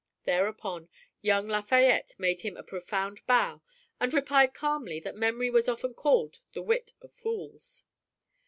Thereupon young Lafayette made him a profound bow and replied calmly that memory was often called the wit of fools.